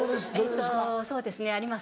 えっとそうですねあります。